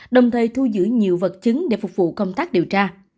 đồng thời thu giữ nhiều vật chứng để phục vụ công tác điều tra